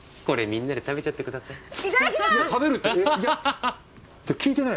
これみんなで食べちゃってください。